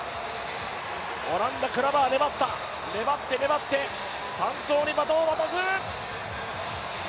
オランダ、クラバー、粘って粘って３走にバトンを渡す。